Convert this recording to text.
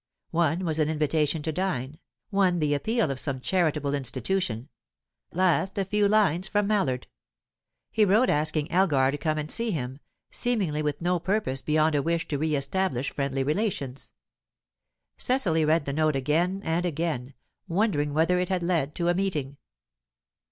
One was an invitation to dine, one the appeal of some charitable institution; last, a few lines from Mallard. He wrote asking Elgar to come and see him seemingly with no purpose beyond a wish to re establish friendly relations. Cecily read the note again and again, wondering whether it had led to a meeting.